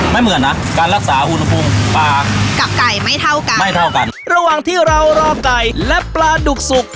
ไม่เหมือนนะการรักษาอุณหภูมิปากกับไก่ไม่เท่ากันไม่เท่ากันระหว่างที่เรารอไก่และปลาดุกสุก